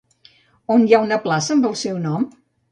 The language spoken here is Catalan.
On hi ha una placa amb el seu nom?